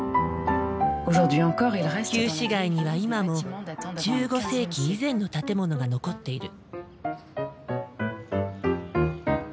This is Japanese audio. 旧市街には今も１５世紀以前の建物が残っている。